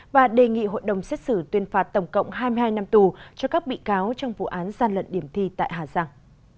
và đề nghị hội đồng xét xử tuyên phạt tổng cộng hai mươi hai năm tù cho các bị cáo trong vụ án gian lận điểm thi tại hà giang